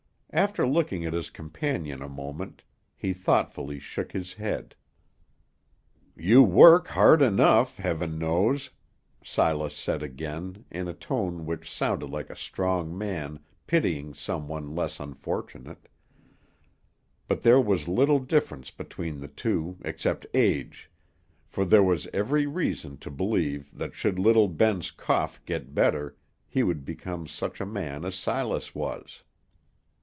After looking at his companion a moment, he thoughtfully shook his head. "You work hard enough, heaven knows," Silas said again, in a tone which sounded like a strong man pitying some one less unfortunate, but there was little difference between the two, except age, for there was every reason to believe that should little Ben's cough get better, he would become such a man as Silas was.